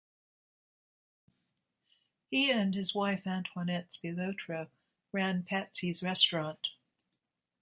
He and his wife Antoinette Spilotro ran Patsy's Restaurant.